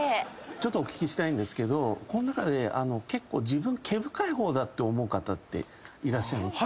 ちょっとお聞きしたいですけどこの中で結構毛深い方だって思う方っていらっしゃいます？